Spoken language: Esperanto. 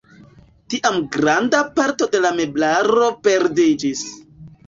Tiam granda parto de la meblaro perdiĝis.